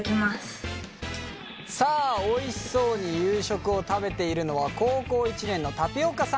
さあおいしそうに夕食を食べているのは高校１年のたぴおかさん。